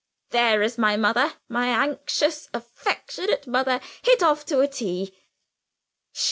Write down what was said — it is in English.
There is my mother, my anxious, affectionate mother, hit off to a T."